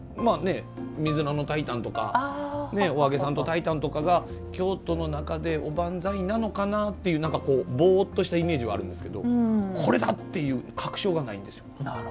水菜の炊いたんとかお揚げさんの炊いたんとかが京都の中でおばんざいなのかなっていう、ぼーっとしたイメージはあるんですけどこれだっていう確証がないんですよね。